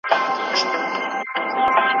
شمعي دي بلیږي او ګډیږي دي ړانده ورته